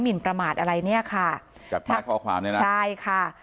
หมินประมาทอะไรเนี้ยค่ะแบบพาขอความได้ไหมใช่ค่ะ